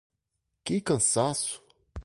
Que cansaço!